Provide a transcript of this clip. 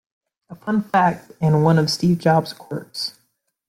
A fun fact and one of Steve Jobs' quirks.